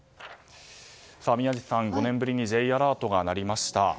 さて宮司さん、５年ぶりにＪアラートが鳴りました。